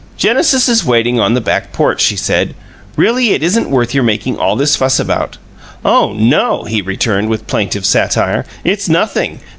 "Genesis is waiting on the back porch," she said. "Really it isn't worth your making all this fuss about." "Oh no!" he returned, with plaintive satire. "It's nothing!